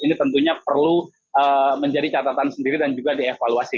ini tentunya perlu menjadi catatan sendiri dan juga dievaluasi